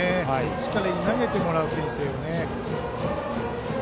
しっかり投げてもらうけん制を。